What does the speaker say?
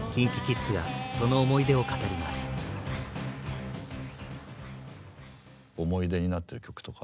思い出になってる曲とかありますか？